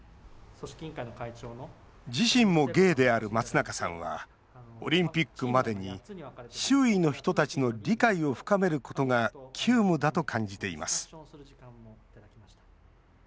自身もゲイである松中さんはオリンピックまでに周囲の人たちの理解を深めることが急務だと感じています。